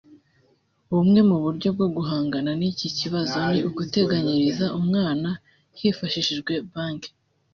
Bumwe mu buryo bwo guhangana n’iki kibazo ni uguteganyiriza umwana hifashishijwe banki